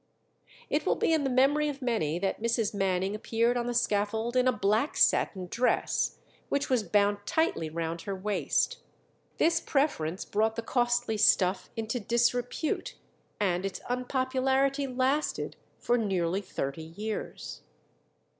It will be in the memory of many that Mrs. Manning appeared on the scaffold in a black satin dress, which was bound tightly round her waist. This preference brought the costly stuff into disrepute, and its unpopularity lasted for nearly thirty years.